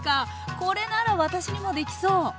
これなら私にもできそう！